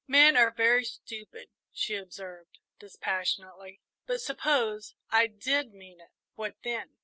"Men are very stupid," she observed, dispassionately; "but suppose I did mean it what then?